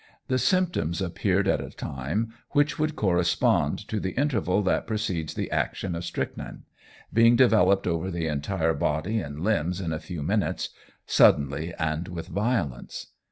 The symptoms appeared at a time which would correspond to the interval that precedes the action of strychnine, being developed over the entire body and limbs in a few minutes, suddenly and with violence.